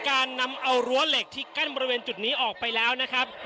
การนำเอารั้วเหล็กที่กั้นบริเวณจุดนี้ออกไปแล้วนะครับ